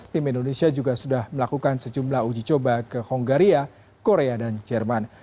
tim indonesia juga sudah melakukan sejumlah uji coba ke hongaria korea dan jerman